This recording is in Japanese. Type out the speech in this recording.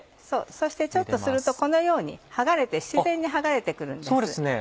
そうそしてちょっとするとこのように自然に剥がれて来るんです。